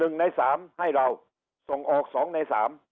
๑ใน๓ให้เราส่งออก๒ใน๓